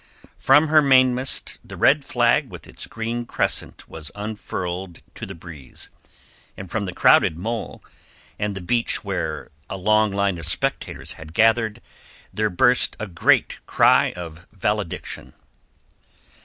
From her mainmast the red flag with its green crescent was unfurled to the breeze, and from the crowded mole, and the beach where a long line of spectators had gathered, there burst a great cry of valediction.